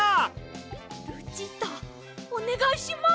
ルチータおねがいします！